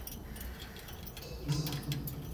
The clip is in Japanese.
君は料理がへたっぴさ